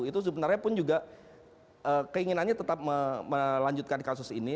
itu sebenarnya pun juga keinginannya tetap melanjutkan kasus ini